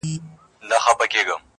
خر خپل او پردي فصلونه نه پېژني -